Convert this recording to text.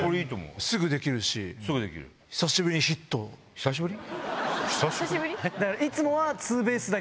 久しぶり？